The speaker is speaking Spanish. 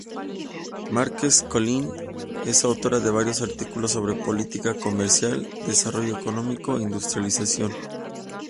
Márquez Colín es autora de varios artículos sobre política comercial, desarrollo económico e industrialización.